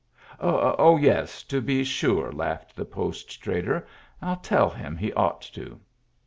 Oh; yes, to be sure!" laughed the post trader. " 111 tell him he ought to."